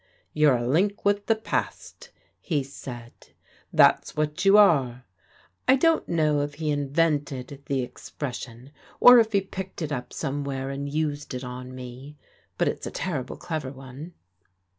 "You're a link with the past," he said; "that's what you are." I don't know if he invented the expression, or if he picked it up somewhere and used it on me, but it's a terrible clever one.